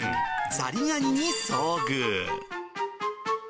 ザリガニに遭遇。